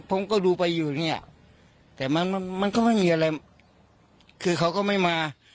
ผมก็ดูไปอยู่เนี่ยแต่มันมันก็ไม่มีอะไรคือเขาก็ไม่มา